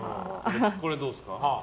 これどうですか。